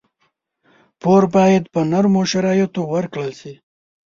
پور باید په نرمو شرایطو ورکړل شي.